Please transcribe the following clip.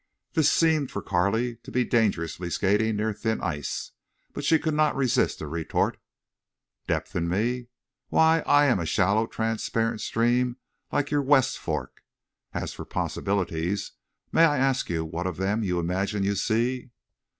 This seemed for Carley to be dangerously skating near thin ice, but she could not resist a retort: "Depths in me? Why I am a shallow, transparent stream like your West Fork! ... And as for possibilities—may I ask what of them you imagine you see?"